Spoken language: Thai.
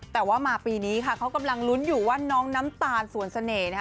แต่ว่ามาปีนี้ค่ะเขากำลังลุ้นอยู่ว่าน้องน้ำตาลสวนเสน่ห์นะคะ